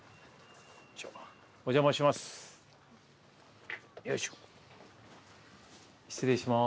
お邪魔します。